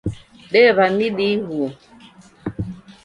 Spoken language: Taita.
Dew'a midi ighuo